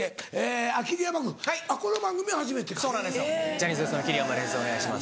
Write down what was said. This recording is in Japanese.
ジャニーズＷＥＳＴの桐山ですお願いします。